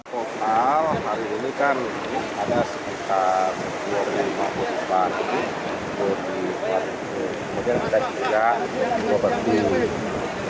pembal hari ini kan ada sekitar dua puluh lima properti dua di perairan dan kita juga dua properti